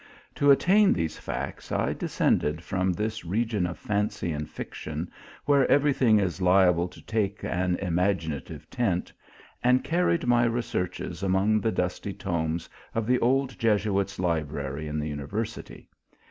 To at tain these facts, I descended from this region of fancy and fiction, where every thing is liable to take an imaginative tint, and carried my researches among the dusty tomes of the old Jesuit s library in the uni versity.